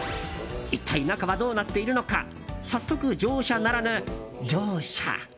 一体、中はどうなっているのか早速、乗車ならぬ蒸車。